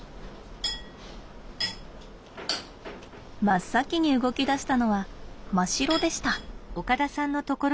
真っ先に動き出したのはマシロでした。